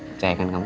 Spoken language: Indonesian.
percaya kan kamu